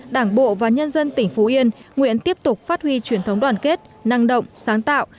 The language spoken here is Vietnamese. đảng bộ và nhân dân tỉnh phú yên nguyện tiếp tục phát huy truyền thống đoàn kết năng động sáng tạo